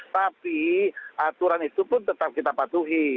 tapi aturan itu pun tetap kita patuhi